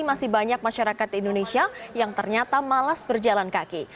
masih banyak masyarakat indonesia yang ternyata malas berjalan kaki